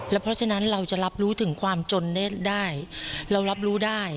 เพราะฉะนั้นเราจะรับรู้ถึงความจนได้เรารับรู้ได้